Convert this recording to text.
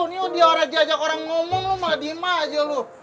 nih dia ajak orang ngomong lu mah dimah aja lu